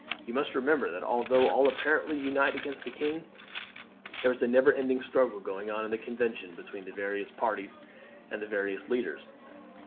You must remember, that although all apparently unite against the king, there is a never ending struggle going on in the Convention between the various parties and the various leaders.